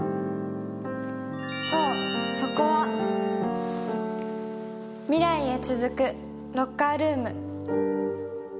そう、そこは未来へ続くロッカールーム。